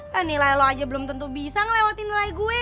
hah nilai lo aja belum tentu bisa ngelewatin nilai gue